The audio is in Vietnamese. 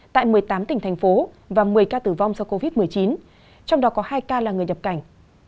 tại một mươi tám tỉnh thành phố và một mươi ca tử vong do covid một mươi chín trong đó có hai ca là người nhập cảnh